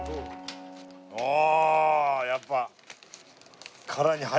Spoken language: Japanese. ああやっぱ。